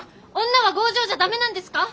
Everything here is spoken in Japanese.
女は強情じゃ駄目なんですか？